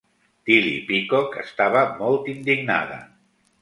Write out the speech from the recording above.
Tillie Peacock estava molt indignada.